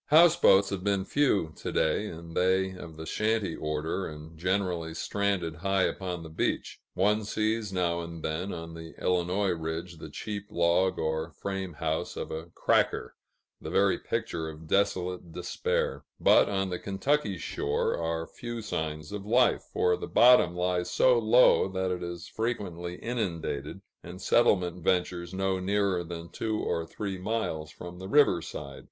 Houseboats have been few, to day, and they of the shanty order and generally stranded high upon the beach. One sees now and then, on the Illinois ridge, the cheap log or frame house of a "cracker," the very picture of desolate despair; but on the Kentucky shore are few signs of life, for the bottom lies so low that it is frequently inundated, and settlement ventures no nearer than two or three miles from the riverside.